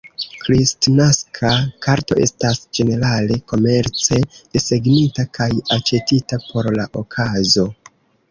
Kristnaska karto estas ĝenerale komerce desegnita kaj aĉetita por la okazo.